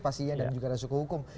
dan juga resiko hukum